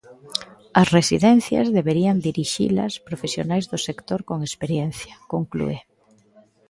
"As residencias deberían dirixilas profesionais do sector con experiencia", conclúe.